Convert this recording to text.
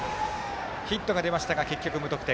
ヒットが出ましたが結局、無得点。